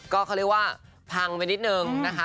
ก็เขาเรียกว่าพังไปนิดนึงนะคะ